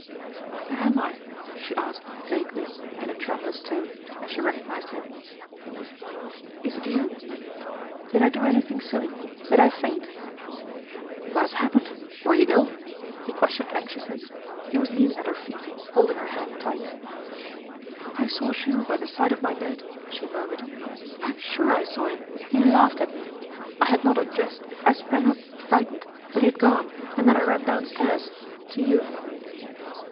'Where am I?' she asked vaguely, in a tremulous tone as she recognized him. 'Is it you? Did I do anything silly? Did I faint?' 'What has happened? Were you ill?' he questioned anxiously. He was kneeling at her feet, holding her hand tight. 'I saw Jules by the side of my bed,' she murmured; 'I'm sure I saw him; he laughed at me. I had not undressed. I sprang up, frightened, but he had gone, and then I ran downstairs to you.